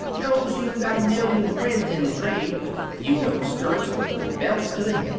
Knows you've got a million friends in the trade, that you know skirts from the belt to the hem.